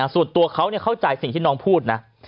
ส่วนตัวเขาเข้าใจสิ่งที่น้องพูดนะ